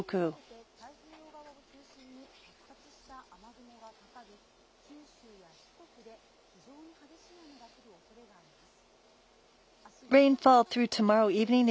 夜にかけて太平洋側を中心に、発達した雨雲がかかり九州や四国で、非常に激しい雨と降るおそれがあります。